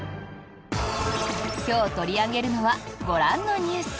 今日、取り上げるのはご覧のニュース。